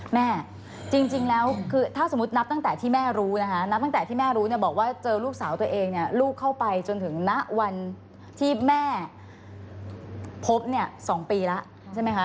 แม่จริงแล้วคือถ้าสมมุตินับตั้งแต่ที่แม่รู้นะคะนับตั้งแต่ที่แม่รู้เนี่ยบอกว่าเจอลูกสาวตัวเองเนี่ยลูกเข้าไปจนถึงณวันที่แม่พบเนี่ย๒ปีแล้วใช่ไหมคะ